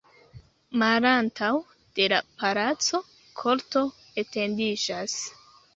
Malantaŭ de la palaco korto etendiĝas.